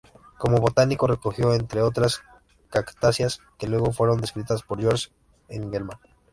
Como botánico recogió, entre otras, cactáceas, que luego fueron descritas por George Engelmann.